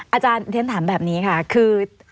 อาจารย์เรียนถามแบบนี้ค่ะคือ